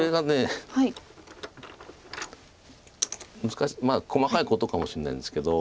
難しいまあ細かいことかもしれないんですけど。